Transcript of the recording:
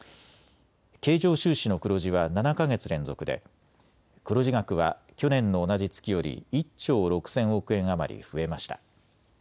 経常収支の黒字は７か月連続で黒字額は去年の同じ月より１兆６０００億円余り増えました。